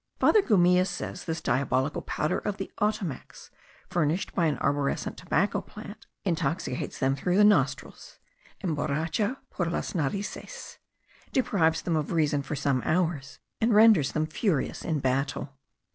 Father Gumilla says this diabolical powder of the Ottomacs, furnished by an arborescent tobacco plant, intoxicates them through the nostrils (emboracha por las narices), deprives them of reason for some hours, and renders them furious in battle.